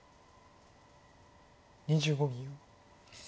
２５秒。